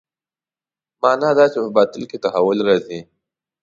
معنا دا چې په باطن کې تحول راځي.